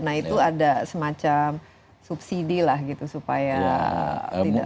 nah itu ada semacam subsidi lah gitu supaya tidak